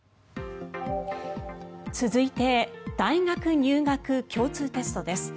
続いて大学入学共通テストです。